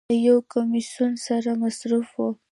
د یو کمیسون سره مصروف و.